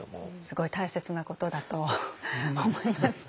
すごい大切なことだと思います。